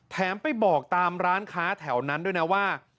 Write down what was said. ไปบอกตามร้านค้าแถวนั้นด้วยนะว่า